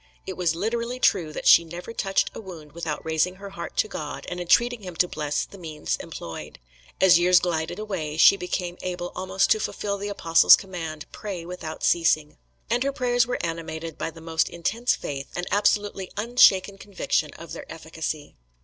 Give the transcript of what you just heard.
It was literally true that she never touched a wound without raising her heart to God and entreating him to bless the means employed. As years glided away, she became able almost to fulfil the Apostle's command: "Pray without ceasing." And her prayers were animated by the most intense faith an absolutely unshaken conviction of their efficacy.